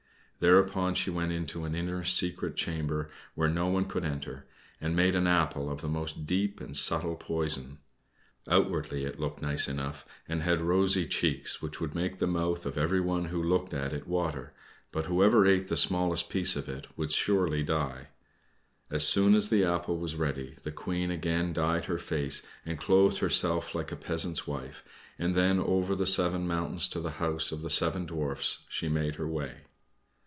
Thereupon she went into an inner secret chamber where no one could enter, and made an apple of the most deep and subtle poison. Outwardly it looked nice enough, and had rosy cheeks which would make the mouth of everyone who looked at it water; but whoever ate the smallest piece of it would surely die. As soon as the apple was ready the Queen again dyed her face, and clothed herself like a peasant's wife, and then over the seven mountains to the house of the seven Dwarfs she made her way.